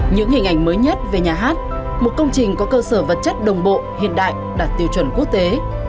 những hình ảnh mới nhất về nhà hát một công trình có cơ sở vật chất đồng bộ hiện đại đạt tiêu chuẩn quốc tế